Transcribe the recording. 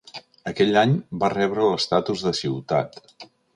Aquell any va rebre l'estatus de ciutat.